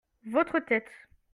votre tête.